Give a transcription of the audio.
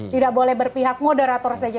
tidak boleh berpihak moderator saja